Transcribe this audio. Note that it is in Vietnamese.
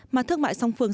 mà thương mại song phương